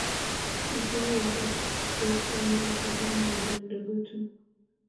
Uhuru wa usultani ukadumu muda mdogo tu